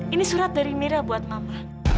ini surat dari mira buat mama